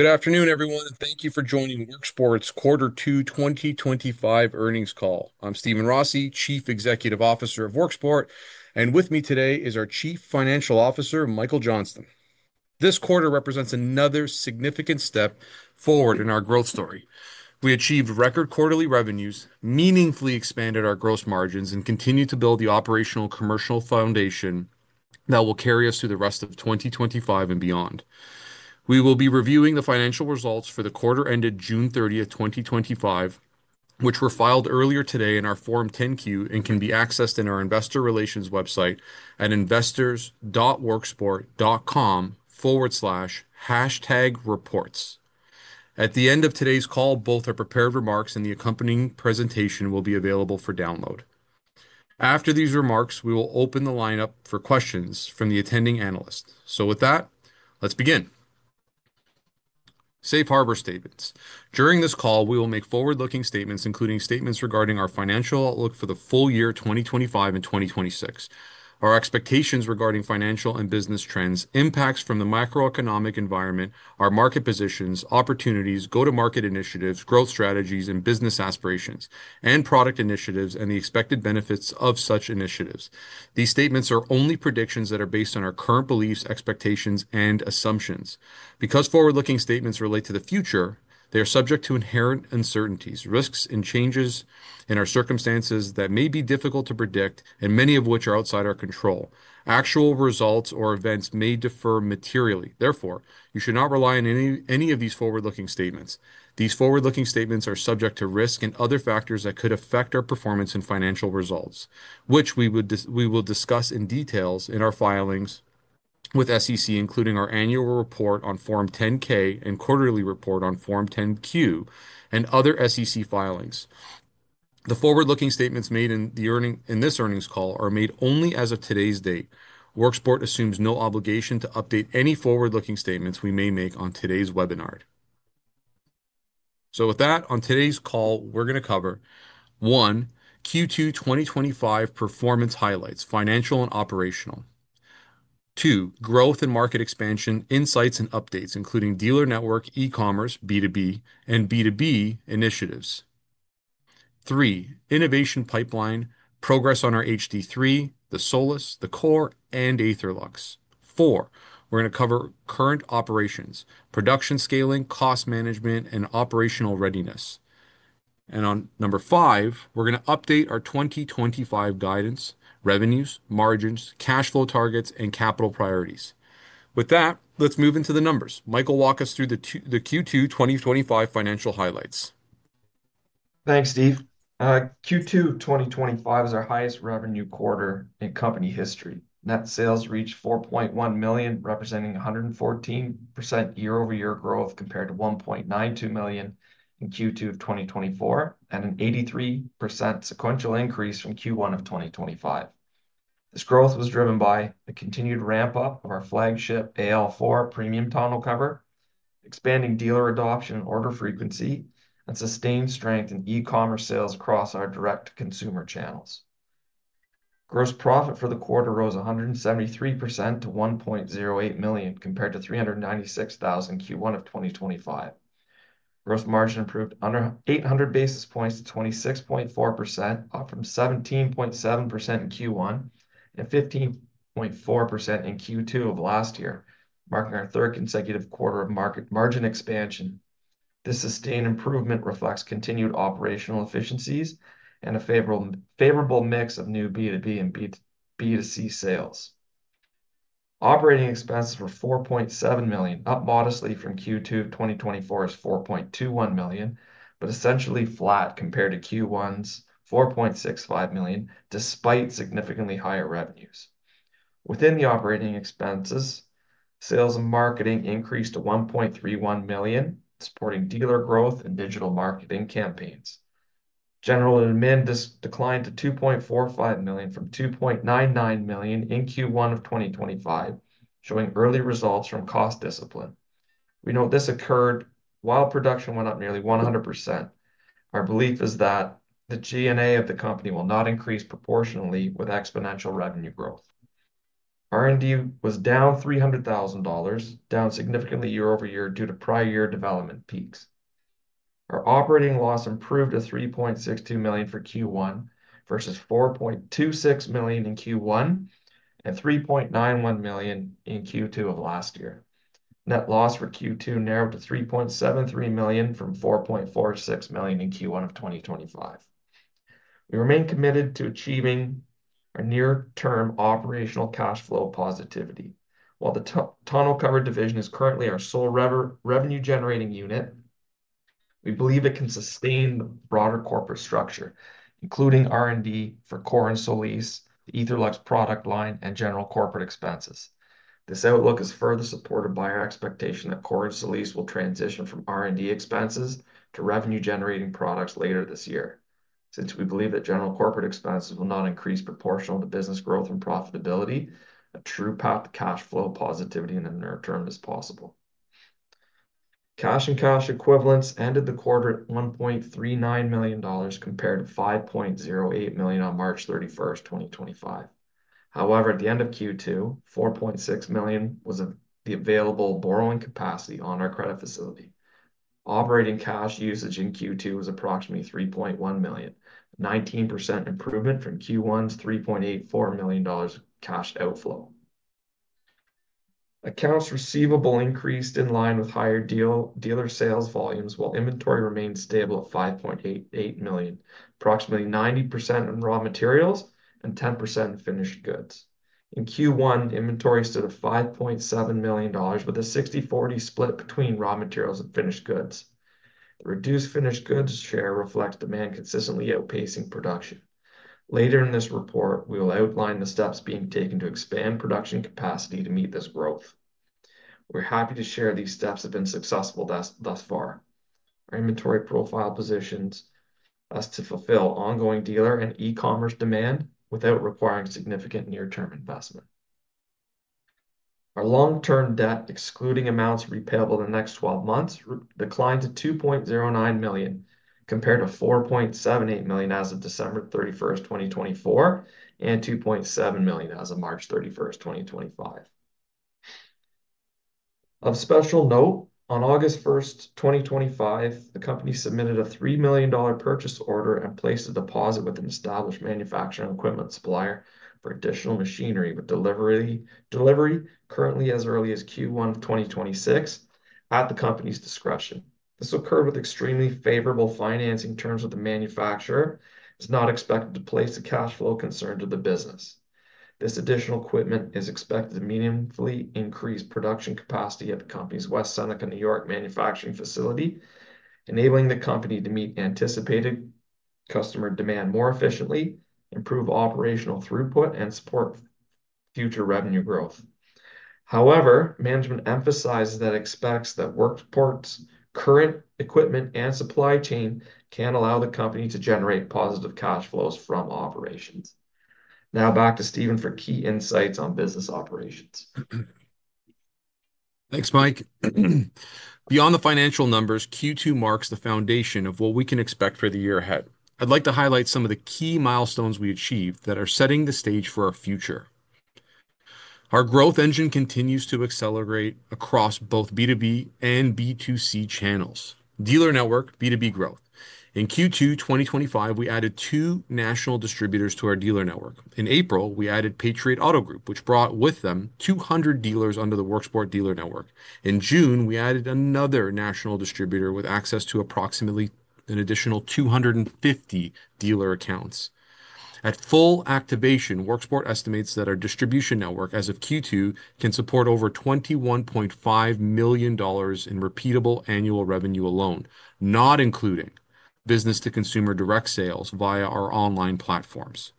Good afternoon, everyone, and thank you for joining WorkSport's Quater two 2025 earnings call. I'm Steven Rossi, Chief Executive Officer of WorkSport, and with me today is our Chief Financial Officer, Michael Johnston. This quarter represents another significant step forward in our growth story. We achieved record quarterly revenues, meaningfully expanded our gross margins, and continued to build the operational commercial foundation that will carry us through the rest of 2025 and beyond. We will be reviewing the financial results for the quarter ended June 30, 2025, which were filed earlier today in our Form 10-Q and can be accessed in our Investor Relations website at investors.WorkSport.com/hashtag-reports. At the end of today's call, both our prepared remarks and the accompanying presentation will be available for download. After these remarks, we will open the line up for questions from the attending analysts. With that, let's begin. Safe Harbor Statements. During this call, we will make forward-looking statements, including statements regarding our financial outlook for the full year 2025 and 2026, our expectations regarding financial and business trends, impacts from the macroeconomic environment, our market positions, opportunities, go-to-market initiatives, growth strategies, business aspirations, product initiatives, and the expected benefits of such initiatives. These statements are only predictions that are based on our current beliefs, expectations, and assumptions. Because forward-looking statements relate to the future, they are subject to inherent uncertainties, risks, and changes in our circumstances that may be difficult to predict, many of which are outside our control. Actual results or events may differ materially. Therefore, you should not rely on any of these forward-looking statements. These forward-looking statements are subject to risk and other factors that could affect our performance and financial results, which we will discuss in detail in our filings with the SEC, including our annual report on Form 10-K, quarterly report on Form 10-Q, and other SEC filings. The forward-looking statements made in this earnings call are made only as of today's date. WorkSport assumes no obligation to update any forward-looking statements we may make on today's webinar. On today's call, we're going to cover: 1. Q2 2025 performance highlights, financial and operational; 2. Growth and market expansion insights and updates, including dealer network, e-commerce, B2B, and B2B initiatives; 3. Innovation pipeline, progress on our HD3, the SOLIS, the COR, and AetherLux; 4. Current operations, production scaling, cost management, and operational readiness; 5. Update on our 2025 guidance, revenues, margins, cash flow targets, and capital priorities. With that, let's move into the numbers. Michael, walk us through the Q2 2025 financial highlights. Thanks, Steve. Q2 2025 is our highest revenue quarter in company history. Net sales reached $4.1 million, representing 114% year-over-year growth compared to $1.92 million in Q2 of 2024, and an 83% sequential increase from Q1 of 2025. This growth was driven by a continued ramp-up of our flagship AL4 premium tonneau cover, expanding dealer adoption and order frequency, and sustained strength in e-commerce sales across our direct-to-consumer channels. Gross profit for the quarter rose 173% to $1.08 million, compared to $396,000 in Q1 of 2025. Gross margin improved under 800 basis points to 26.4%, up from 17.7% in Q1 and 15.4% in Q2 of last year, marking our third consecutive quarter of market margin expansion. This sustained improvement reflects continued operational efficiencies and a favorable mix of new B2B and B2C sales. Operating expenses were $4.7 million, up modestly from Q2 of 2024's $4.21 million, but essentially flat compared to Q1's $4.65 million, despite significantly higher revenues. Within the operating expenses, sales and marketing increased to $1.31 million, supporting dealer growth and digital marketing campaigns. General and admin declined to $2.45 million from $2.99 million in Q1 of 2025, showing early results from cost discipline. We note this occurred while production went up nearly 100%. Our belief is that the G&A of the company will not increase proportionately with exponential revenue growth. R&D was down $300,000, down significantly year-over-year due to prior year development peaks. Our operating loss improved to $3.62 million for Q1 versus $4.26 million in Q1 and $3.91 million in Q2 of last year. Net loss for Q2 narrowed to $3.73 million from $4.46 million in Q1 of 2025. We remain committed to achieving our near-term operational cash flow positivity. While the tonneau cover division is currently our sole revenue-generating unit, we believe it can sustain the broader corporate structure, including R&D for COR and SOLIS, the AetherLux product line, and general corporate expenses. This outlook is further supported by our expectation that COR and SOLIS will transition from R&D expenses to revenue-generating products later this year. Since we believe that general corporate expenses will not increase proportional to business growth and profitability, a true path to cash flow positivity in the near term is possible. Cash and cash equivalents ended the quarter at $1.39 million compared to $5.08 million on March 31, 2025. However, at the end of Q2, $4.6 million was the available borrowing capacity on our credit facility. Operating cash usage in Q2 was approximately $3.1 million, a 19% improvement from Q1's $3.84 million cash outflow. A cash receivable increased in line with higher dealer sales volumes, while inventory remained stable at $5.88 million, approximately 90% in raw materials and 10% in finished goods. In Q1, inventory stood at $5.7 million, with a 60/40 split between raw materials and finished goods. A reduced finished goods share reflects demand consistently outpacing production. Later in this report, we will outline the steps being taken to expand production capacity to meet this growth. We're happy to share these steps have been successful thus far. Our inventory profile positions us to fulfill ongoing dealer and e-commerce demand without requiring significant near-term investment. Our long-term debt, excluding amounts repayable in the next 12 months, declined to $2.09 million compared to $4.78 million as of December 31, 2024, and $2.7 million as of March 31, 2025. Of special note, on August 1, 2025, the company submitted a $3 million purchase order and placed a deposit with an established manufacturing equipment supplier for additional machinery with delivery currently as early as Q1 2026, at the company's discretion. This occurred with extremely favorable financing terms with the manufacturer and is not expected to place a cash flow concern to the business. This additional equipment is expected to meaningfully increase production capacity at the company's West Seneca, New York manufacturing facility, enabling the company to meet anticipated customer demand more efficiently, improve operational throughput, and support future revenue growth. However, management emphasizes and expects that WorkSport's current equipment and supply chain can allow the company to generate positive cash flows from operations. Now back to Steven for key insights on business operations. Thanks, Mike. Beyond the financial numbers, Q2 marks the foundation of what we can expect for the year ahead. I'd like to highlight some of the key milestones we achieved that are setting the stage for our future. Our growth engine continues to accelerate across both B2B and B2C channels. Dealer network, B2B growth. In Q2 2025, we added two national distributors to our dealer network. In April, we added Patriot Auto Group, which brought with them 200 dealers under the WorkSport dealer network. In June, we added another national distributor with access to approximately an additional 250 dealer accounts. At full activation, WorkSport estimates that our distribution network as of Q2 can support over $21.5 million in repeatable annual revenue alone, not including business-to-consumer direct sales via our online platforms.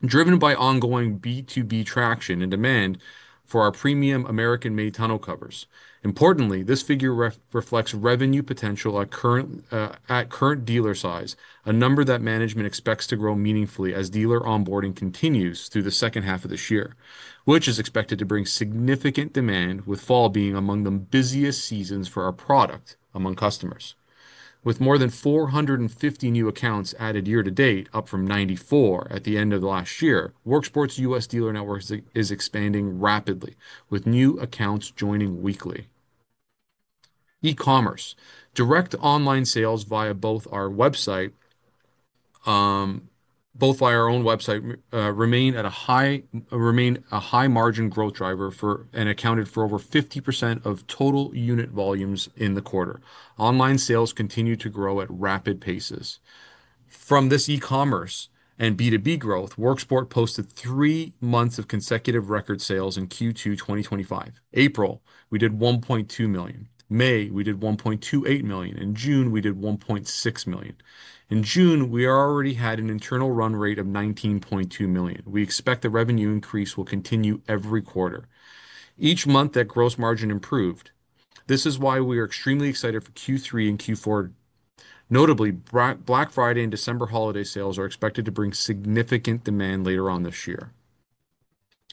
This is driven by ongoing B2B traction and demand for our premium American-made tonneau covers. Importantly, this figure reflects revenue potential at current dealer size, a number that management expects to grow meaningfully as dealer onboarding continues through the second half of this year, which is expected to bring significant demand, with fall being among the busiest seasons for our product among customers. With more than 450 new accounts added year to date, up from 94 at the end of last year, WorkSport's U.S. dealer network is expanding rapidly, with new accounts joining weekly. E-commerce, direct online sales via both our website, both via our own website, remain a high margin growth driver and accounted for over 50% of total unit volumes in the quarter. Online sales continue to grow at rapid paces. From this e-commerce and B2B growth, WorkSport posted three months of consecutive record sales in Q2 2025. April, we did $1.2 million. May, we did $1.28 million. In June, we did $1.6 million. In June, we already had an internal run rate of $19.2 million. We expect the revenue increase will continue every quarter. Each month, that gross margin improved. This is why we are extremely excited for Q3 and Q4. Notably, Black Friday and December holiday sales are expected to bring significant demand later on this year.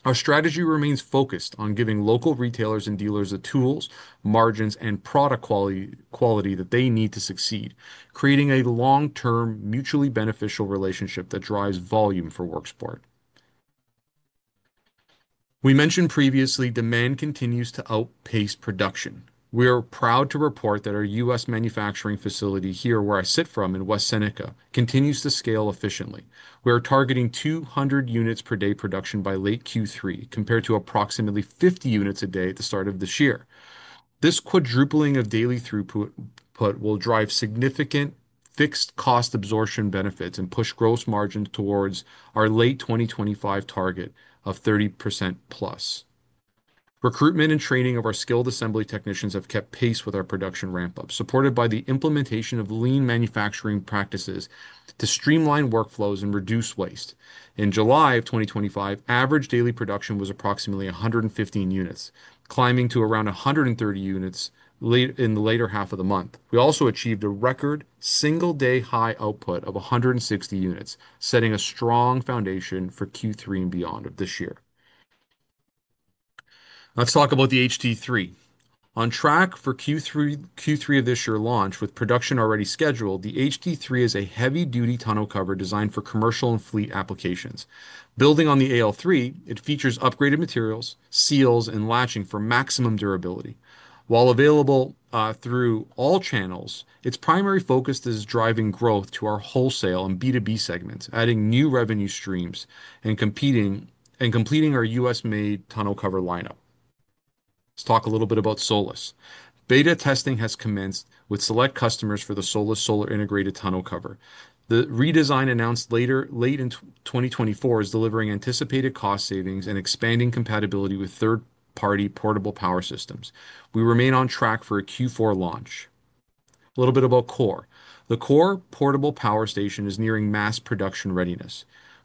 Our strategy remains focused on giving local retailers and dealers the tools, margins, and product quality that they need to succeed, creating a long-term mutually beneficial relationship that drives volume for WorkSport. We mentioned previously, demand continues to outpace production. We are proud to report that our U.S. manufacturing facility here, where I sit from in West Seneca, continues to scale efficiently. We are targeting 200 units per day production by late Q3, compared to approximately 50 units a day at the start of this year. This quadrupling of daily throughput will drive significant fixed cost absorption benefits and push gross margins towards our late 2025 target of 30%+. Recruitment and training of our skilled assembly technicians have kept pace with our production ramp-up, supported by the implementation of lean manufacturing practices to streamline workflows and reduce waste. In July of 2025, average daily production was approximately 115 units, climbing to around 130 units in the later half of the month. We also achieved a record single-day high output of 160 units, setting a strong foundation for Q3 and beyond of this year. Let's talk about the HD3. On track for Q3 of this year's launch, with production already scheduled, the HD3 is a heavy-duty tonneau cover designed for commercial and fleet applications. Building on the AL3, it features upgraded materials, seals, and latching for maximum durability. While available through all channels, its primary focus is driving growth to our wholesale and B2B segments, adding new revenue streams, and completing our U.S.-made tonneau cover lineup. Let's talk a little bit about SOLIS. Beta testing has commenced with select customers for the SOLIS solar-integrated tonneau cover. The redesign announced late in 2024 is delivering anticipated cost savings and expanding compatibility with third-party portable power systems. We remain on track for a Q4 launch. A little bit about COR. The COR portable power station is nearing mass production readiness.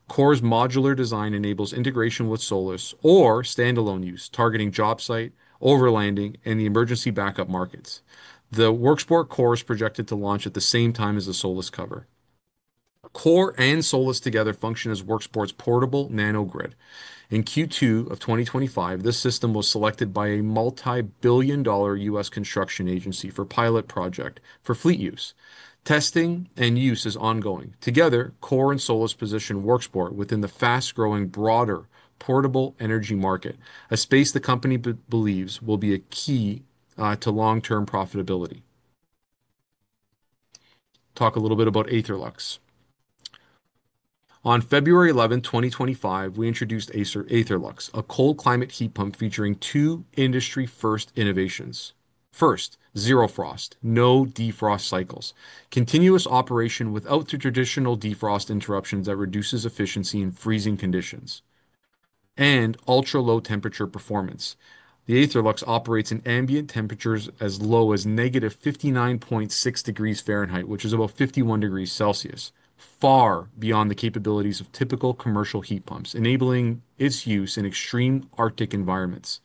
COR's modular design enables integration with SOLIS or standalone use, targeting job site, overlanding, and the emergency backup markets. The WorkSport COR is projected to launch at the same time as the SOLIS cover. COR and SOLIS together function as WorkSport's portable nano-grid. In Q2 of 2025, this system was selected by a multi-billion dollar U.S. construction agency for a pilot project for fleet use. Testing and use is ongoing. Together, COR and SOLIS position WorkSport within the fast-growing broader portable energy market, a space the company believes will be a key to long-term profitability. Talk a little bit about AetherLux. On February 11, 2025, we introduced AetherLux, a cold-climate heat pump featuring two industry-first innovations. First, ZeroFrost, no defrost cycles. Continuous operation without the traditional defrost interruptions that reduce efficiency in freezing conditions. Ultra-low temperature performance. The AetherLux operates in ambient temperatures as low as -59.6 degrees Fahrenheit, which is about -51 degrees Celsius, far beyond the capabilities of typical commercial heat pumps, enabling its use in extreme Arctic environments.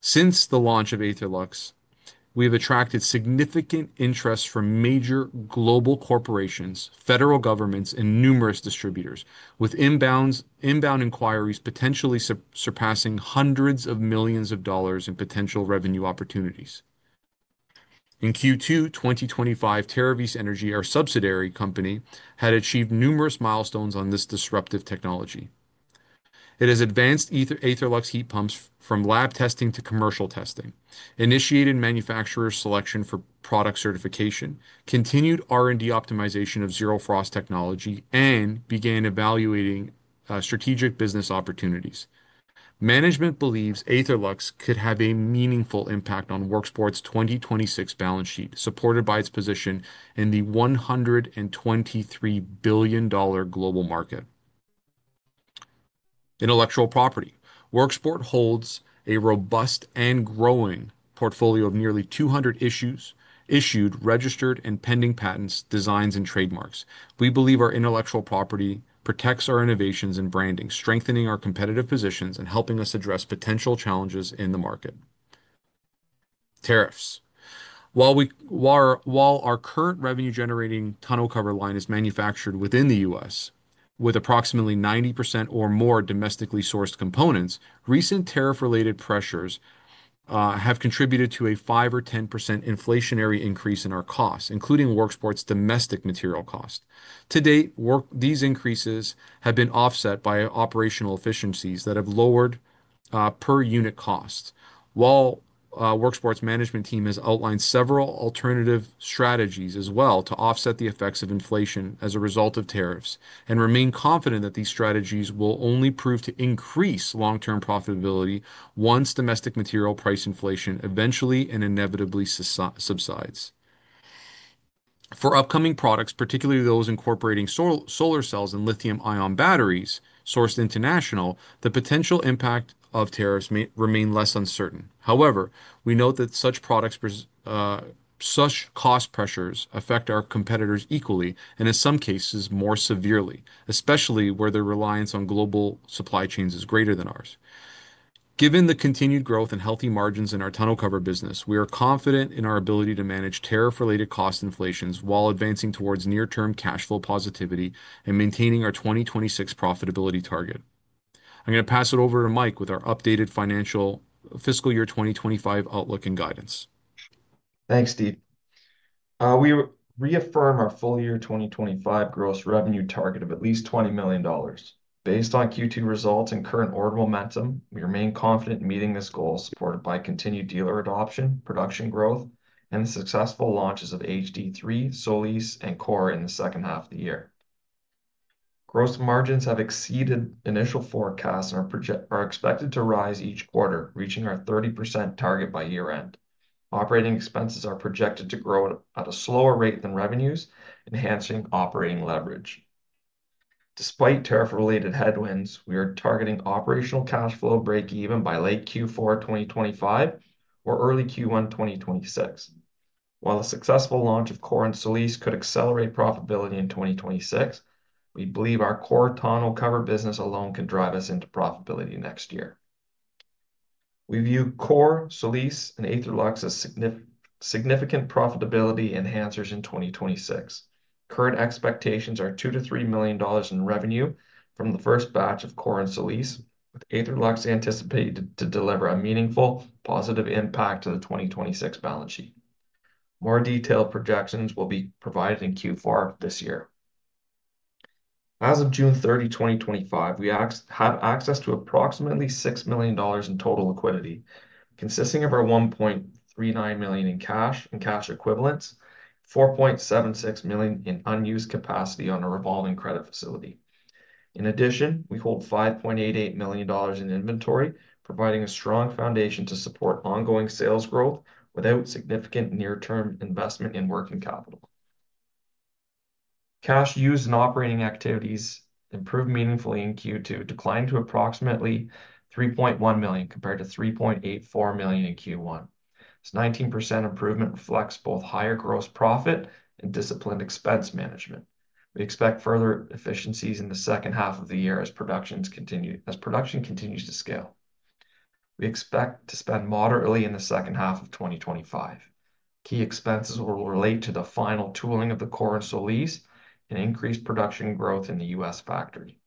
Since the launch of AetherLux, we have attracted significant interest from major global corporations, federal governments, and numerous distributors, with inbound inquiries potentially surpassing hundreds of millions of dollars in potential revenue opportunities. In Q2 2025, Terravis Energy, our subsidiary company, had achieved numerous milestones on this disruptive technology. It has advanced AetherLux heat pumps from lab testing to commercial testing, initiated manufacturer selection for product certification, continued R&D optimization of ZeroFrost technology, and began evaluating strategic business opportunities. Management believes AetherLux could have a meaningful impact on WorkSport's 2026 balance sheet, supported by its position in the $123 billion global market. Intellectual property. WorkSport holds a robust and growing portfolio of nearly 200 issued, registered, and pending patents, designs, and trademarks. We believe our intellectual property protects our innovations and branding, strengthening our competitive positions and helping us address potential challenges in the market. Tariffs. While our current revenue-generating tonneau cover line is manufactured within the U.S., with approximately 90% or more domestically sourced components, recent tariff-related pressures have contributed to a 5% or 10% inflationary increase in our costs, including WorkSport's domestic material cost. To date, these increases have been offset by operational efficiencies that have lowered per unit costs. While WorkSport's management team has outlined several alternative strategies as well to offset the effects of inflation as a result of tariffs, we remain confident that these strategies will only prove to increase long-term profitability once domestic material price inflation eventually and inevitably subsides. For upcoming products, particularly those incorporating solar cells and lithium-ion batteries sourced internationally, the potential impact of tariffs may remain less uncertain. However, we note that such products, such cost pressures affect our competitors equally, and in some cases more severely, especially where their reliance on global supply chains is greater than ours. Given the continued growth and healthy margins in our tonneau cover business, we are confident in our ability to manage tariff-related cost inflations while advancing towards near-term cash flow positivity and maintaining our 2026 profitability target. I'm going to pass it over to Michael with our updated financial fiscal year 2025 outlook and guidance. Thanks, Steve. We reaffirm our full year 2025 gross revenue target of at least $20 million. Based on Q2 results and current order momentum, we remain confident in meeting this goal, supported by continued dealer adoption, production growth, and the successful launches of HD3, SOLIS, and COR in the second half of the year. Gross margins have exceeded initial forecasts and are expected to rise each quarter, reaching our 30% target by year-end. Operating expenses are projected to grow at a slower rate than revenues, enhancing operating leverage. Despite tariff-related headwinds, we are targeting operational cash flow break-even by late Q4 2025 or early Q1 2026. While the successful launch of COR and SOLIS could accelerate profitability in 2026, we believe our COR tonneau cover business alone could drive us into profitability next year. We view COR, SOLIS, and AetherLux as significant profitability enhancers in 2026. Current expectations are $2 million to $3 million in revenue from the first batch of COR and SOLIS, with AetherLux anticipated to deliver a meaningful positive impact to the 2026 balance sheet. More detailed projections will be provided in Q4 of this year. As of June 30, 2025, we have access to approximately $6 million in total liquidity, consisting of our $1.39 million in cash and cash equivalents, $4.76 million in unused capacity on a revolving credit facility. In addition, we hold $5.88 million in inventory, providing a strong foundation to support ongoing sales growth without significant near-term investment in working capital. Cash used in operating activities improved meaningfully in Q2, declined to approximately $3.1 million compared to $3.84 million in Q1. This 19% improvement reflects both higher gross profit and disciplined expense management. We expect further efficiencies in the second half of the year as production continues to scale. We expect to spend moderately in the second half of 2025. Key expenses will relate to the final tooling of the COR and SOLIS and increased production growth in the U.S. factory.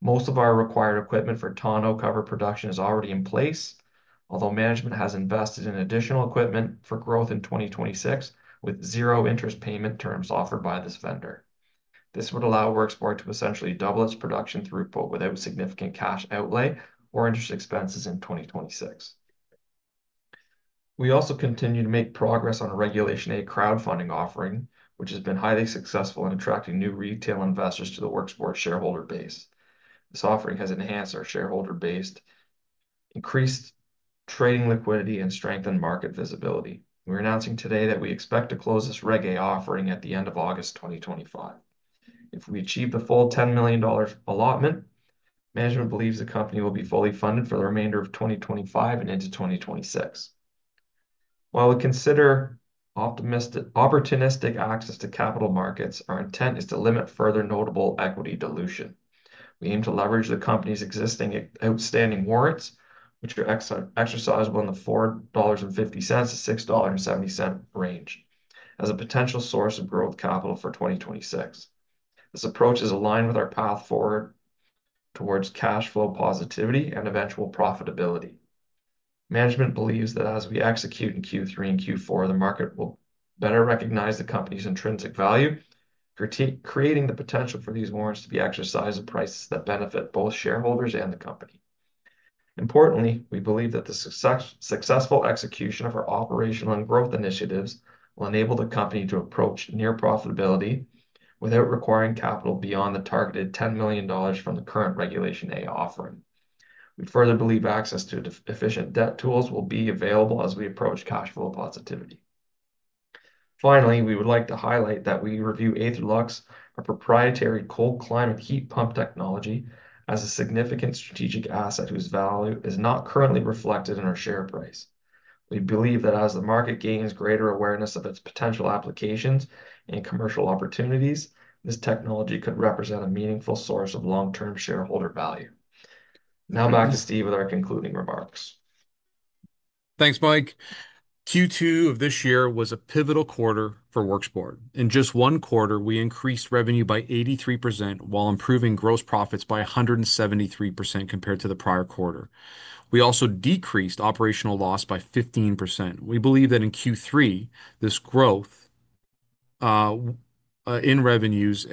Most of our required equipment for tonneau cover production is already in place, although management has invested in additional equipment for growth in 2026, with zero interest payment terms offered by this vendor. This would allow WorkSport to essentially double its production throughput without significant cash outlay or interest expenses in 2026. We also continue to make progress on a Regulation A offering, which has been highly successful in attracting new retail investors to the WorkSport shareholder base. This offering has enhanced our shareholder base, increased trading liquidity, and strengthened market visibility. We're announcing today that we expect to close this Regulation A offering at the end of August 2025. If we achieve the full $10 million allotment, management believes the company will be fully funded for the remainder of 2025 and into 2026. While we consider opportunistic access to capital markets, our intent is to limit further notable equity dilution. We aim to leverage the company's existing outstanding warrants, which are exercisable in the $4.50 to $6.70 range, as a potential source of growth capital for 2026. This approach is aligned with our path forward towards cash flow positivity and eventual profitability. Management believes that as we execute in Q3 and Q4, the market will better recognize the company's intrinsic value, creating the potential for these warrants to be exercised at prices that benefit both shareholders and the company. Importantly, we believe that the successful execution of our operational and growth initiatives will enable the company to approach near profitability without requiring capital beyond the targeted $10 million from the current Regulation A offering. We further believe access to efficient debt tools will be available as we approach cash flow positivity. Finally, we would like to highlight that we view AetherLux, our proprietary cold-climate heat pump technology, as a significant strategic asset whose value is not currently reflected in our share price. We believe that as the market gains greater awareness of its potential applications and commercial opportunities, this technology could represent a meaningful source of long-term shareholder value. Now back to Steve with our concluding remarks. Thanks, Mike. Q2 of this year was a pivotal quarter for WorkSport. In just one quarter, we increased revenue by 83% while improving gross profits by 173% compared to the prior quarter. We also decreased operational loss by 15%. We believe that in Q3, this growth in revenues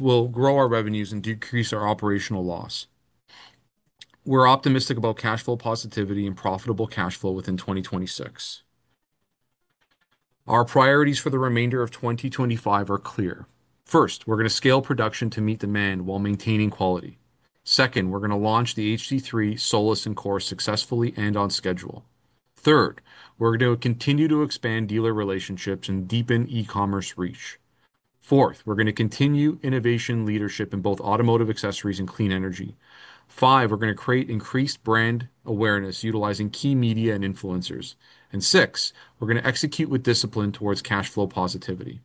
will grow our revenues and decrease our operational loss. We're optimistic about cash flow positivity and profitable cash flow within 2026. Our priorities for the remainder of 2025 are clear. First, we're going to scale production to meet demand while maintaining quality. Second, we're going to launch the HD3, SOLIS, and COR successfully and on schedule. Third, we're going to continue to expand dealer relationships and deepen e-commerce reach. Fourth, we're going to continue innovation leadership in both automotive accessories and clean energy. Fifth, we're going to create increased brand awareness utilizing key media and influencers. Sixth, we're going to execute with discipline towards cash flow positivity.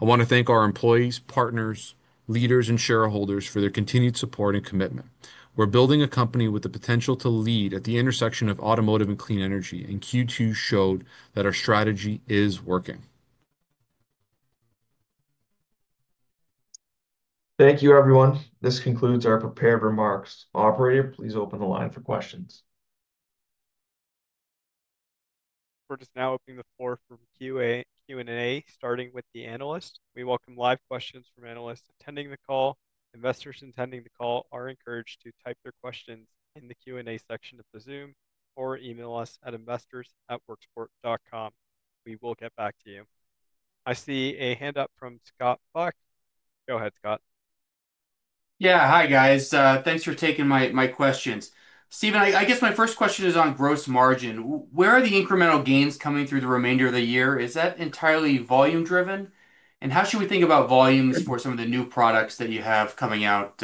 I want to thank our employees, partners, leaders, and shareholders for their continued support and commitment. We're building a company with the potential to lead at the intersection of automotive and clean energy, and Q2 showed that our strategy is working. Thank you, everyone. This concludes our prepared remarks. Operator, please open the line for questions. We're just now opening the floor for Q&A, starting with the analysts. We welcome live questions from analysts attending the call. Investors attending the call are encouraged to type their questions in the Q&A section of the Zoom or email us at investors@WorkSport.com. We will get back to you. I see a hand up from Scott Buck. Go ahead, Scott. Yeah, hi guys. Thanks for taking my questions. Steven, I guess my first question is on gross margin. Where are the incremental gains coming through the remainder of the year? Is that entirely volume driven? How should we think about volumes for some of the new products that you have coming out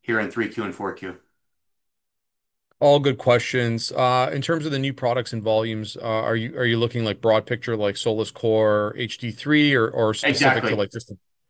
here in 3Q and 4Q? All good questions. In terms of the new products and volumes, are you looking like broad picture, like SOLIS, COR, HD3, or specifically like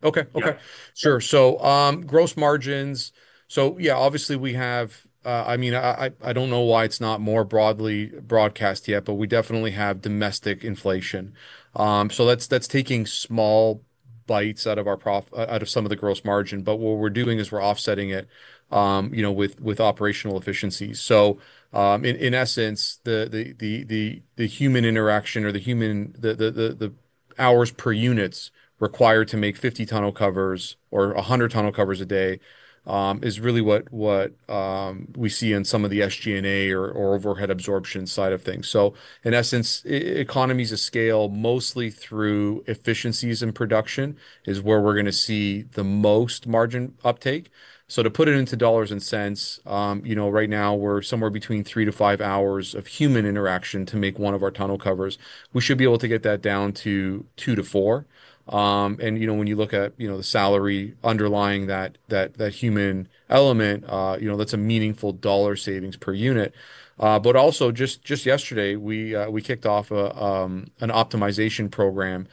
this? Exactly. Okay, sure. So gross margins. Obviously we have, I mean, I don't know why it's not more broadly broadcast yet, but we definitely have domestic inflation. That's taking small bites out of our profit, out of some of the gross margin. What we're doing is we're offsetting it with operational efficiencies. In essence, the human interaction or the human hours per units required to make 50 tonneau covers or 100 tonneau covers a day is really what we see in some of the SG&A or overhead absorption side of things. In essence, economies of scale, mostly through efficiencies in production, is where we're going to see the most margin uptake. To put it into dollars and cents, right now we're somewhere between three to five hours of human interaction to make one of our tonneau covers. We should be able to get that down to two to four. When you look at the salary underlying that human element, that's a meaningful dollar savings per unit. Also, just yesterday, we kicked off an optimization program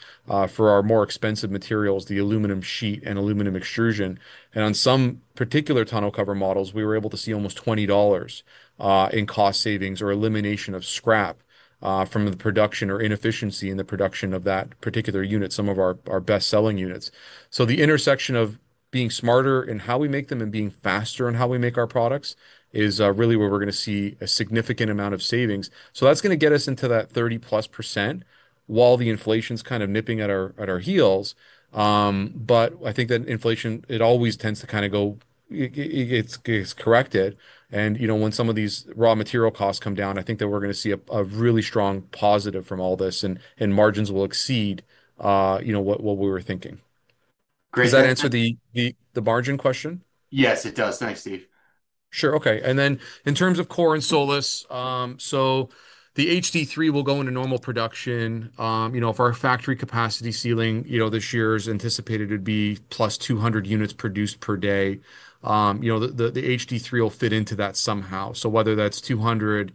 for our more expensive materials, the aluminum sheet and aluminum extrusion. On some particular tonneau cover models, we were able to see almost $20 in cost savings or elimination of scrap from the production or inefficiency in the production of that particular unit, some of our best-selling units. The intersection of being smarter in how we make them and being faster in how we make our products is really where we're going to see a significant amount of savings. That's going to get us into that 30%+ while the inflation is kind of nipping at our heels. I think that inflation, it always tends to kind of go, it gets corrected. When some of these raw material costs come down, I think that we're going to see a really strong positive from all this, and margins will exceed what we were thinking. Great. Does that answer the margin question? Yes, it does. Thanks, Steve. Sure. Okay. In terms of COR and SOLIS, the HD3 will go into normal production. If our factory capacity ceiling this year is anticipated to be +200 units produced per day, the HD3 will fit into that somehow. Whether that's 200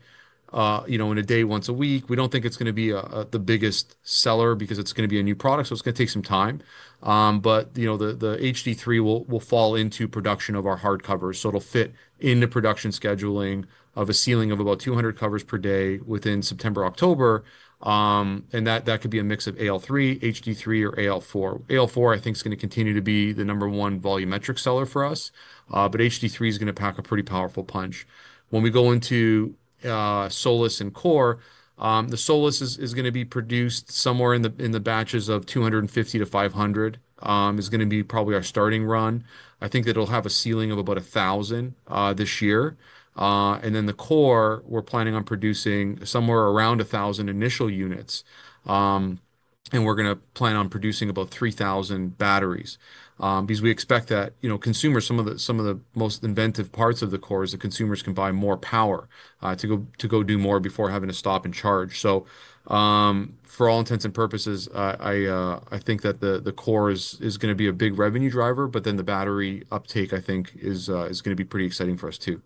in a day once a week, we don't think it's going to be the biggest seller because it's going to be a new product. It's going to take some time. The HD3 will fall into production of our hard covers, so it'll fit in the production scheduling of a ceiling of about 200 covers per day within September, October. That could be a mix of AL3, HD3, or AL4. AL4, I think, is going to continue to be the number one volumetric seller for us. HD3 is going to pack a pretty powerful punch. When we go into SOLIS and COR, the SOLIS is going to be produced somewhere in the batches of 250 to 500. It's going to be probably our starting run. I think that it'll have a ceiling of about 1,000 this year. The COR, we're planning on producing somewhere around 1,000 initial units. We're going to plan on producing about 3,000 batteries because we expect that consumers, some of the most inventive parts of the COR, is that consumers can buy more power to go do more before having to stop and charge. For all intents and purposes, I think that the COR is going to be a big revenue driver, but then the battery uptake, I think, is going to be pretty exciting for us too.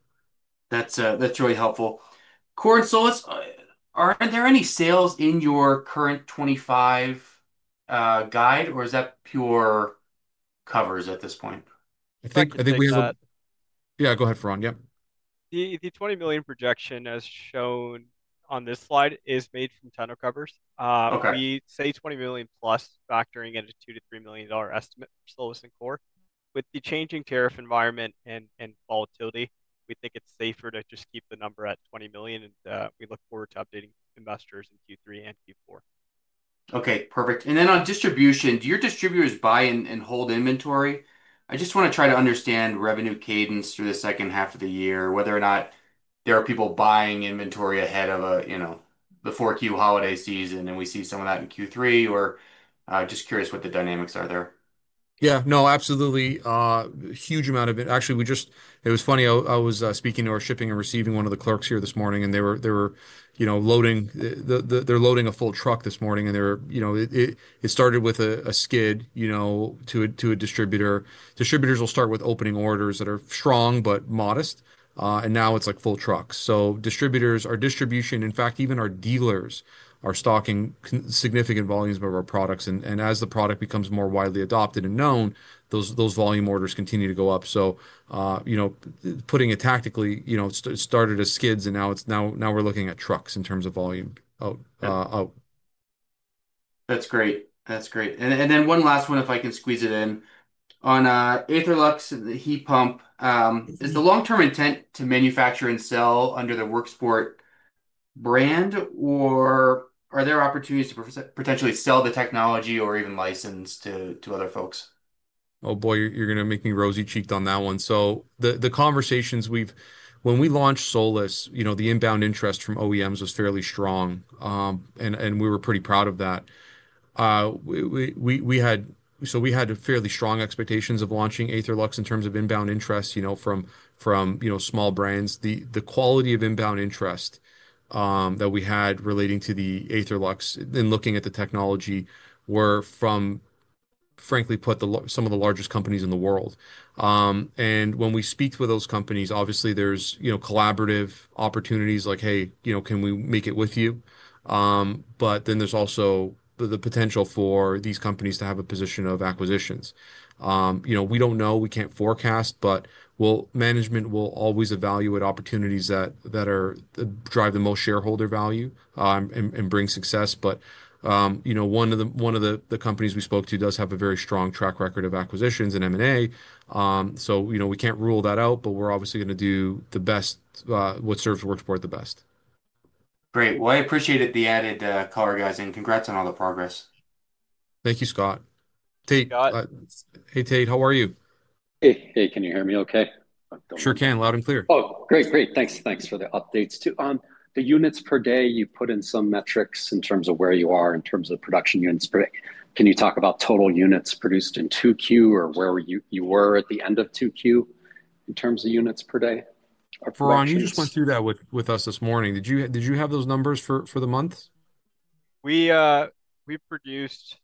That's really helpful. COR and SOLIS, are there any sales in your current 2025 guide, or is that pure covers at this point? I think we have, yeah, go ahead, Faran. Yep. The $20 million projection, as shown on this slide, is made from tonneau covers. We say $20 million plus, factoring in a $2 million to $3 million estimate for SOLIS and COR. With the changing tariff environment and volatility, we think it's safer to just keep the number at $20 million, and we look forward to updating investors in Q3 and Q4. Okay, perfect. On distribution, do your distributors buy and hold inventory? I just want to try to understand revenue cadence through the second half of the year, whether or not there are people buying inventory ahead of the 4Q holiday season, and we see some of that in Q3. I'm just curious what the dynamics are there. Yeah, no, absolutely. A huge amount of it. Actually, it was funny, I was speaking to our shipping and receiving, one of the clerks here this morning, and they were loading a full truck this morning. It started with a skid to a distributor. Distributors will start with opening orders that are strong but modest, and now it's like full trucks. Distributors, our distribution, in fact, even our dealers are stocking significant volumes of our products. As the product becomes more widely adopted and known, those volume orders continue to go up. Putting it tactically, it started as skids, and now we're looking at trucks in terms of volume. That's great. That's great. One last one, if I can squeeze it in. On AetherLux, the heat pump, is the long-term intent to manufacture and sell under the WorkSport brand, or are there opportunities to potentially sell the technology or even license to other folks? Oh boy, you're going to make me rosy cheeked on that one. The conversations we've had, when we launched SOLIS, the inbound interest from OEMs was fairly strong, and we were pretty proud of that. We had fairly strong expectations of launching AetherLux in terms of inbound interest from small brands. The quality of inbound interest that we had relating to the AetherLux and looking at the technology were from, frankly, some of the largest companies in the world. When we speak to those companies, obviously there are collaborative opportunities like, hey, can we make it with you? There is also the potential for these companies to have a position of acquisitions. We don't know, we can't forecast, but management will always evaluate opportunities that drive the most shareholder value and bring success. One of the companies we spoke to does have a very strong track record of acquisitions and M&A. We can't rule that out, but we're obviously going to do the best, what serves WorkSport the best. Great. I appreciated the added color, guys, and congrats on all the progress. Thank you, Scott. Hey, Tate, how are you? Hey, hey, can you hear me okay? Sure can, loud and clear. Great, thanks for the updates too. On the units per day, you put in some metrics in terms of where you are in terms of production units per day. Can you talk about total units produced in 2Q or where you were at the end of 2Q in terms of units per day? Faran, you just went through that with us this morning. Did you have those numbers for the month? We produced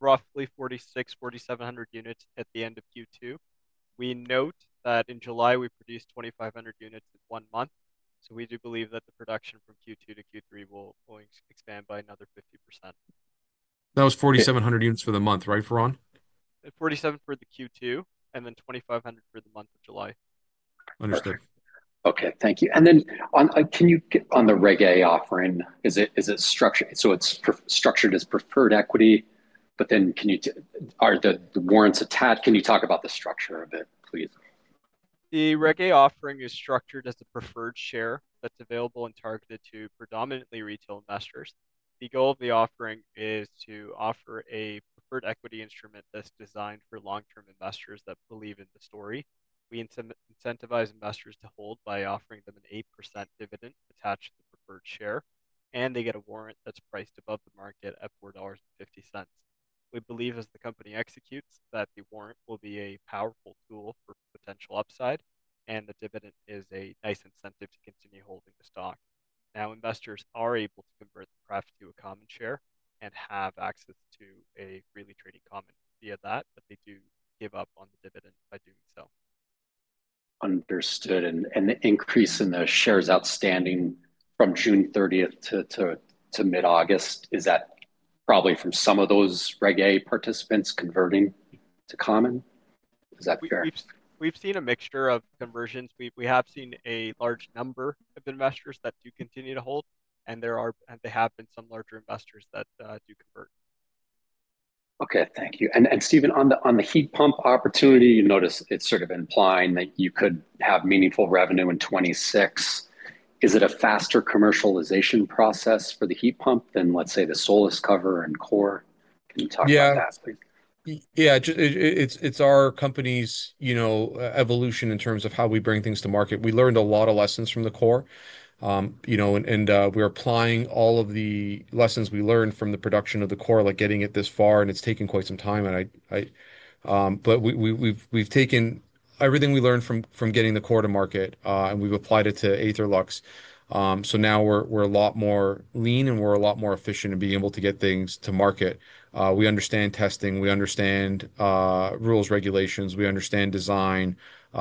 roughly 4,600, 4,700 units at the end of Q2. We note that in July, we produced 2,500 units in one month. We do believe that the production from Q2 to Q3 will expand by another 50%. That was 4,700 units for the month, right, Faran? $4,700 for the Q2 and then $2,500 for the month of July. Understood. Okay, thank you. Can you get on the Regulation A offering? Is it structured? It's structured as preferred equity, but then can you, are the warrants attached? Can you talk about the structure of it, please? The Regulation A offering is structured as a preferred share that's available and targeted to predominantly retail investors. The goal of the offering is to offer a preferred equity instrument that's designed for long-term investors that believe in the story. We incentivize investors to hold by offering them an 8% dividend attached to the preferred share, and they get a warrant that's priced above the market at $4.50. We believe, as the company executes, that the warrant will be a powerful tool for potential upside, and the dividend is a nice incentive to continue holding the stock. Investors are able to convert the preferred to a common share and have access to a freely traded common via that, but they do give up on the dividend by doing so. Understood. The increase in the shares outstanding from June 30th to mid-August, is that probably from some of those Regulation A participants converting to common? We've seen a mixture of conversions. We have seen a large number of investors that do continue to hold, and there have been some larger investors that do convert. Thank you. Steven, on the heat pump opportunity, you notice it's sort of implying that you could have meaningful revenue in 2026. Is it a faster commercialization process for the heat pump than, let's say, the SOLIS cover and COR? Can you talk about that? Yeah, it's our company's evolution in terms of how we bring things to market. We learned a lot of lessons from the COR, and we're applying all of the lessons we learned from the production of the COR, like getting it this far, and it's taken quite some time. We've taken everything we learned from getting the COR to market, and we've applied it to AetherLux. Now we're a lot more lean, and we're a lot more efficient in being able to get things to market. We understand testing. We understand rules, regulations. We understand design,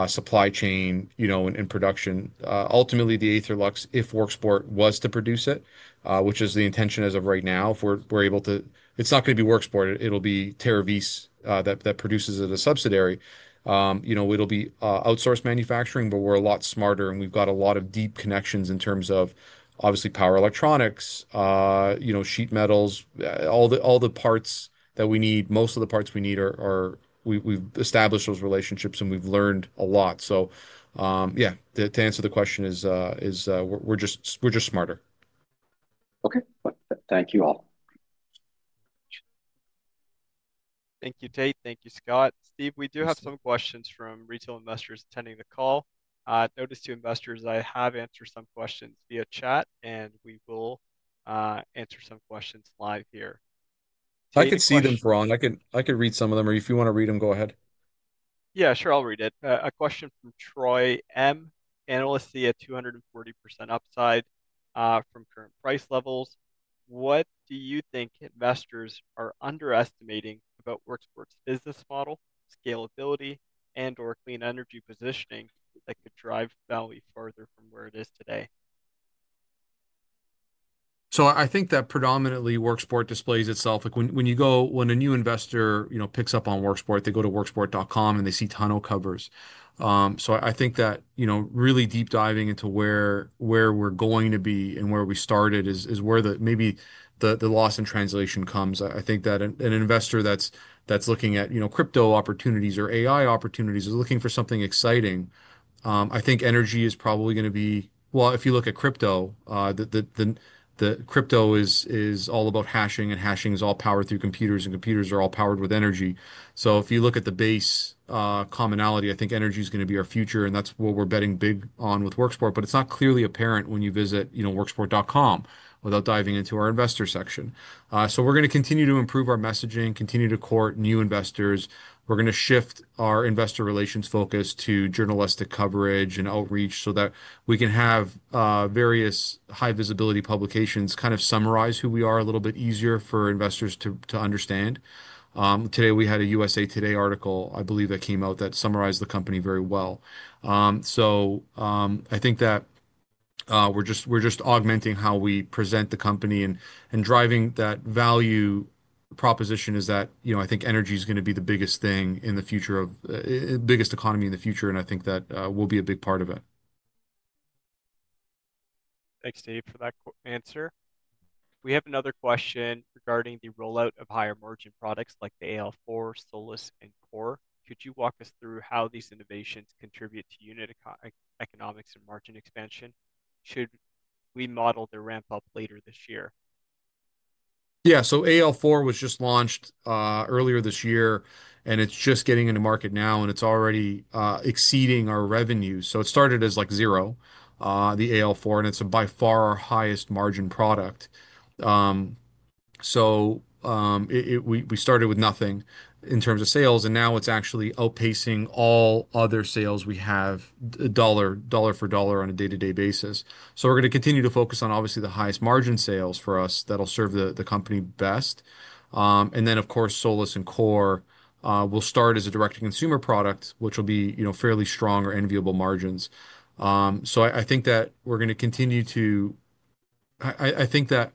supply chain, and production. Ultimately, the AetherLux, if WorkSport was to produce it, which is the intention as of right now, if we're able to, it's not going to be WorkSport. It'll be Terravis Energy that produces it as a subsidiary. It'll be outsourced manufacturing, but we're a lot smarter, and we've got a lot of deep connections in terms of, obviously, power electronics, sheet metals, all the parts that we need. Most of the parts we need are, we've established those relationships, and we've learned a lot. To answer the question, we're just smarter. Okay, thank you all. Thank you, Tate. Thank you, Scott. Steve, we do have some questions from retail investors attending the call. I noticed two investors that I have answered some questions via chat, and we will answer some questions live here. I can see them, Faran. I can read some of them, or if you want to read them, go ahead. Yeah, sure, I'll read it. A question from Troy M. Analysts see a 240% upside from current price levels. What do you think investors are underestimating about WorkSport's business model, scalability, and/or clean energy positioning that could drive value further from where it is today? I think that predominantly WorkSport displays itself. When a new investor picks up on WorkSport, they go to WorkSport.com and they see tonneau covers. I think that really deep diving into where we're going to be and where we started is where the, maybe the loss in translation comes. I think that an investor that's looking at crypto opportunities or AI opportunities is looking for something exciting. I think energy is probably going to be, if you look at crypto, the crypto is all about hashing, and hashing is all powered through computers, and computers are all powered with energy. If you look at the base commonality, I think energy is going to be our future, and that's what we're betting big on with WorkSport, but it's not clearly apparent when you visit WorkSport.com without diving into our investor section. We're going to continue to improve our messaging, continue to court new investors. We're going to shift our investor relations focus to journalistic coverage and outreach so that we can have various high visibility publications kind of summarize who we are a little bit easier for investors to understand. Today, we had a USA TODAY article, I believe, that came out that summarized the company very well. I think that we're just augmenting how we present the company, and driving that value proposition is that I think energy is going to be the biggest thing in the future of the biggest economy in the future, and I think that will be a big part of it. Thanks, Steve, for that answer. We have another question regarding the rollout of higher margin products like the AL4, SOLIS, and COR. Could you walk us through how these innovations contribute to unit economics and margin expansion? Should we model the ramp-up later this year? Yeah, AL4 was just launched earlier this year, and it's just getting into market now, and it's already exceeding our revenue. It started as zero, the AL4, and it's by far our highest margin product. We started with nothing in terms of sales, and now it's actually outpacing all other sales we have, dollar for dollar, on a day-to-day basis. We are going to continue to focus on, obviously, the highest margin sales for us that'll serve the company best. Of course, SOLIS and COR will start as a direct-to-consumer product, which will be, you know, fairly strong or enviable margins. I think that we're going to continue to, I think that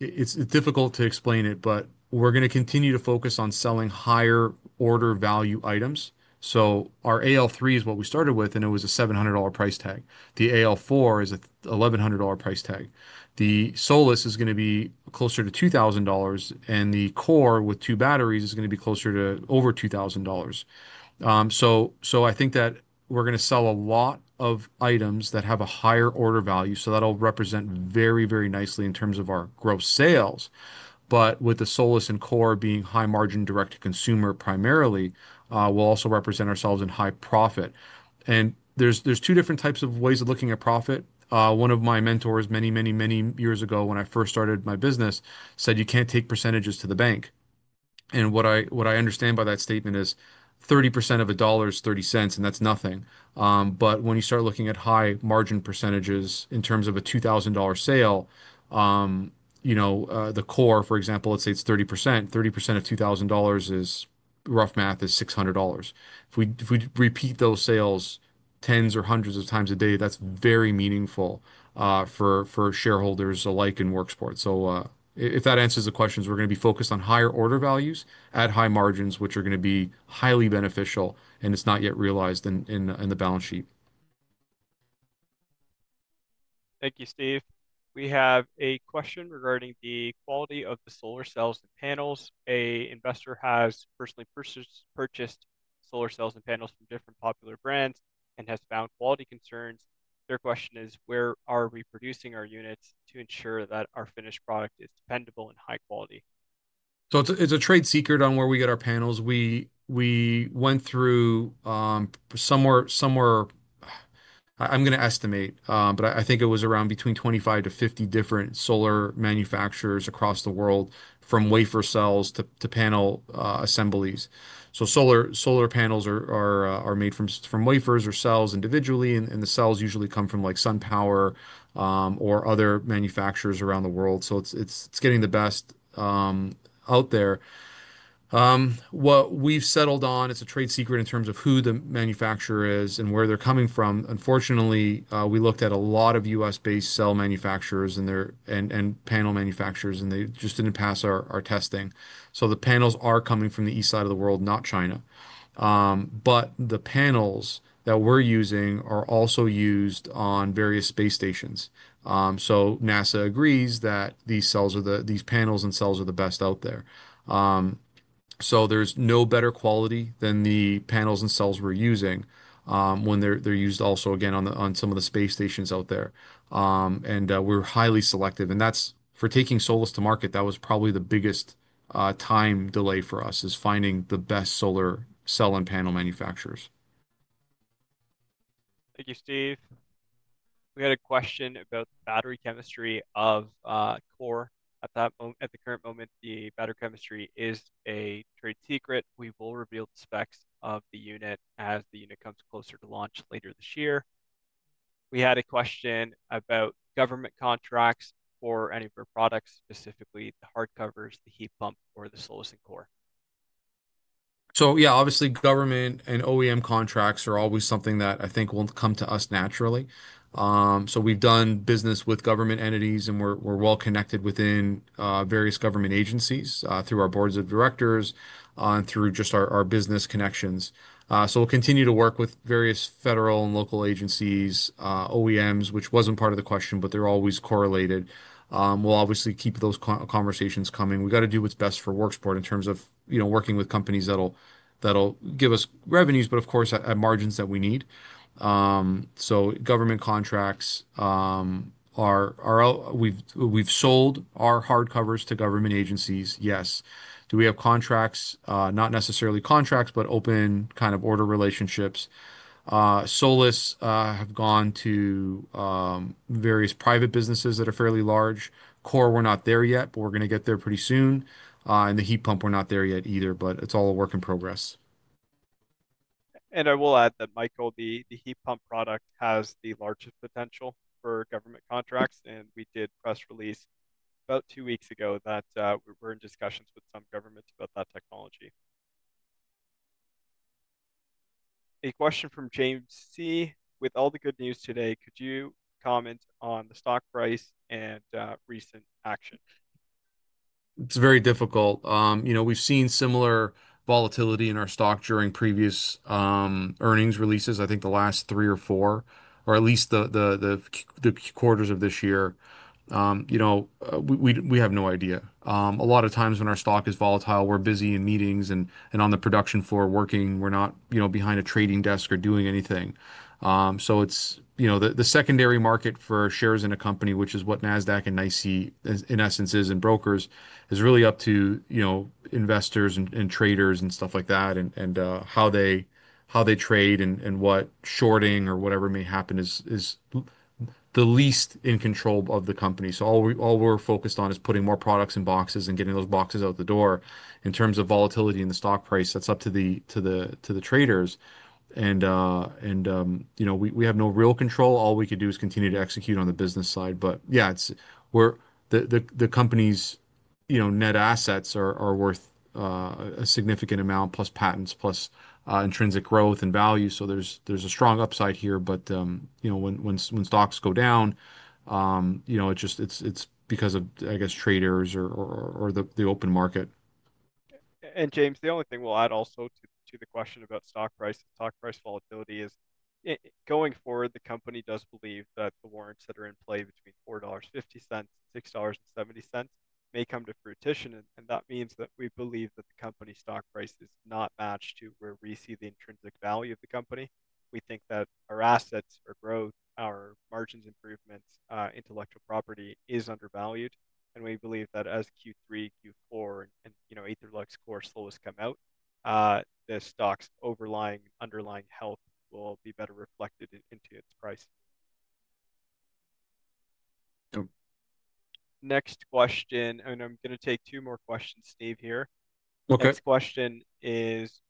it's difficult to explain it, but we're going to continue to focus on selling higher order value items. Our AL3 is what we started with, and it was a $700 price tag. The AL4 is an $1,100 price tag. The SOLIS is going to be closer to $2,000, and the COR with two batteries is going to be closer to over $2,000. I think that we're going to sell a lot of items that have a higher order value, so that'll represent very, very nicely in terms of our gross sales. With the SOLIS and COR being high margin direct-to-consumer primarily, we'll also represent ourselves in high profit. There are two different types of ways of looking at profit. One of my mentors, many, many, many years ago, when I first started my business, said you can't take % to the bank. What I understand by that statement is 30% of $1 is $0.30, and that's nothing. When you start looking at high margin % in terms of a $2,000 sale, you know, the COR, for example, let's say it's 30%. 30% of $2,000 is rough math is $600. If we repeat those sales tens or hundreds of times a day, that's very meaningful for shareholders alike in WorkSport. If that answers the questions, we're going to be focused on higher order values at high margins, which are going to be highly beneficial, and it's not yet realized in the balance sheet. Thank you, Steve. We have a question regarding the quality of the solar cells and panels. An investor has personally purchased solar cells and panels from different popular brands and has found quality concerns. Their question is, where are we producing our units to ensure that our finished product is dependable and high quality? It's a trade secret on where we get our panels. We went through somewhere, I'm going to estimate, but I think it was around between 25 to 50 different solar manufacturers across the world, from wafer cells to panel assemblies. Solar panels are made from wafers or cells individually, and the cells usually come from like SunPower or other manufacturers around the world. It's getting the best out there. What we've settled on, it's a trade secret in terms of who the manufacturer is and where they're coming from. Unfortunately, we looked at a lot of U.S.-based cell manufacturers and panel manufacturers, and they just didn't pass our testing. The panels are coming from the east side of the world, not China. The panels that we're using are also used on various space stations. NASA agrees that these panels and cells are the best out there. There's no better quality than the panels and cells we're using when they're used also, again, on some of the space stations out there. We're highly selective. For taking SOLIS to market, that was probably the biggest time delay for us, finding the best solar cell and panel manufacturers. Thank you, Steve. We had a question about the battery chemistry of COR. At the current moment, the battery chemistry is a trade secret. We will reveal the specs of the unit as the unit comes closer to launch later this year. We had a question about government contracts for any of our products, specifically the hard covers, the heat pump, or the SOLIS and COR. Obviously, government and OEM contracts are always something that I think will come to us naturally. We've done business with government entities, and we're well connected within various government agencies through our Board of Directors and through just our business connections. We'll continue to work with various federal and local agencies, OEMs, which wasn't part of the question, but they're always correlated. We'll obviously keep those conversations coming. We've got to do what's best for WorkSport in terms of, you know, working with companies that'll give us revenues, but of course, at margins that we need. Government contracts, we've sold our hard covers to government agencies, yes. Do we have contracts? Not necessarily contracts, but open kind of order relationships. SOLIS have gone to various private businesses that are fairly large. COR, we're not there yet, but we're going to get there pretty soon. And the heat pump, we're not there yet either, but it's all a work in progress. I will add that, Michael, the heat pump product has the largest potential for government contracts, and we did press release about two weeks ago that we're in discussions with some governments about that technology. A question from James C. With all the good news today, could you comment on the stock price and recent action? It's very difficult. We've seen similar volatility in our stock during previous earnings releases. I think the last three or four, or at least the quarters of this year, we have no idea. A lot of times when our stock is volatile, we're busy in meetings and on the production floor working. We're not behind a trading desk or doing anything. The secondary market for shares in a company, which is what NASDAQ and NYSE, in essence, is, and brokers, is really up to investors and traders and stuff like that. How they trade and what shorting or whatever may happen is the least in control of the company. All we're focused on is putting more products in boxes and getting those boxes out the door. In terms of volatility in the stock price, that's up to the traders. We have no real control. All we could do is continue to execute on the business side. The company's net assets are worth a significant amount, plus patents, plus intrinsic growth and value. There's a strong upside here. When stocks go down, it's because of, I guess, trade errors or the open market. James, the only thing we'll add also to the question about stock price and stock price volatility is going forward, the company does believe that the warrants that are in play between $4.50 to $6.70 may come to fruition. That means that we believe that the company's stock price is not matched to where we see the intrinsic value of the company. We think that our assets, our growth, our margins improvements, intellectual property is undervalued. We believe that as Q3, Q4, and, you know, AetherLux, COR, SOLIS come out, the stock's overlying underlying health will be better reflected into its price. Next question, and I'm going to take two more questions, Steve, here. Okay. Next question is,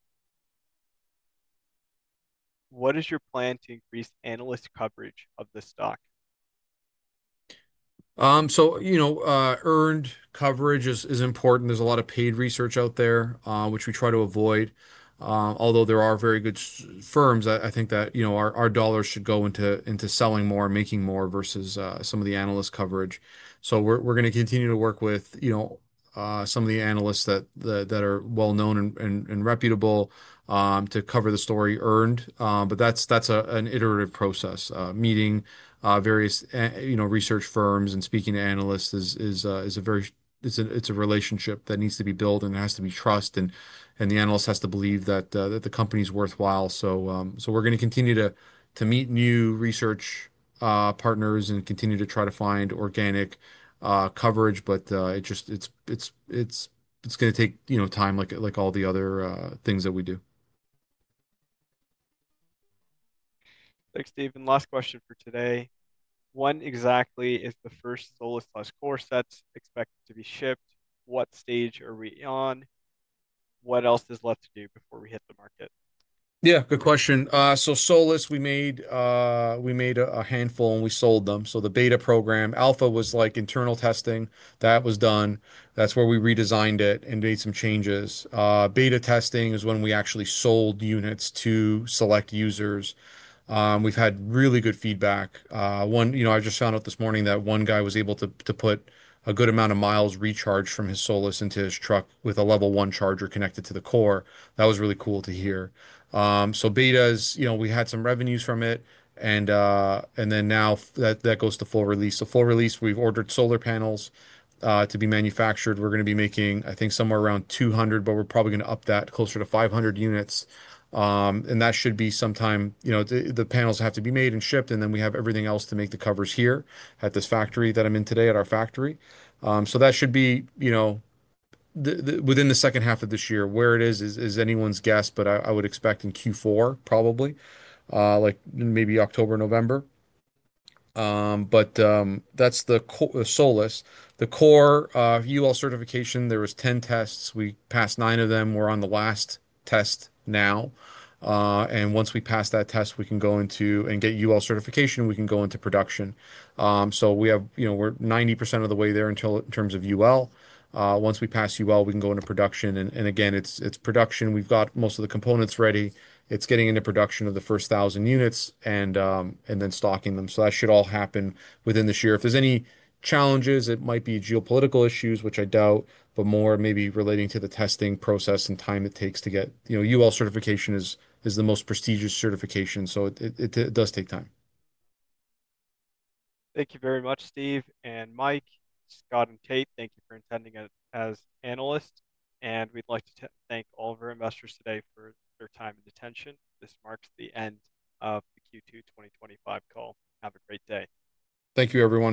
what is your plan to increase analyst coverage of this stock? Earned coverage is important. There's a lot of paid research out there, which we try to avoid. Although there are very good firms, I think that our dollars should go into selling more, making more versus some of the analyst coverage. We're going to continue to work with some of the analysts that are well known and reputable to cover the story earned. That's an iterative process. Meeting various research firms and speaking to analysts is a relationship that needs to be built, and it has to be trust. The analyst has to believe that the company is worthwhile. We're going to continue to meet new research partners and continue to try to find organic coverage. It's going to take time, like all the other things that we do. Thanks, Steve. Last question for today. When exactly is the first SOLIS+COR sets expected to be shipped? What stage are we on? What else is left to do before we hit the market? Yeah, good question. SOLIS, we made a handful and we sold them. The beta program, Alpha, was internal testing that was done. That's where we redesigned it and made some changes. Beta testing is when we actually sold units to select users. We've had really good feedback. One, I just found out this morning that one guy was able to put a good amount of miles recharged from his SOLIS into his truck with a Level 1 charger connected to the COR. That was really cool to hear. Betas, we had some revenues from it. Now that goes to full release. Full release, we've ordered solar panels to be manufactured. We're going to be making, I think, somewhere around 200, but we're probably going to up that closer to 500 units. That should be sometime, the panels have to be made and shipped. We have everything else to make the covers here at this factory that I'm in today at our factory. That should be within the second half of this year. Where it is is anyone's guess, but I would expect in Q4, probably, like maybe October, November. That's the SOLIS. The COR UL certification, there were 10 tests. We passed nine of them. We're on the last test now. Once we pass that test, we can go into and get UL certification. We can go into production. We have, we're 90% of the way there in terms of UL. Once we pass UL, we can go into production. It's production. We've got most of the components ready. It's getting into production of the first 1,000 units and then stocking them. That should all happen within this year. If there's any challenges, it might be geopolitical issues, which I doubt, but more maybe relating to the testing process and time it takes to get UL certification. UL certification is the most prestigious certification. It does take time. Thank you very much, Steven and Michael, Scott and Tate. Thank you for attending as analysts. We'd like to thank all of our investors today for their time and attention. This marks the end of the Q2 2025 call. Have a great day. Thank you, everyone.